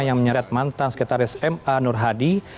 yang menyeret mantan sekretaris ma nur hadi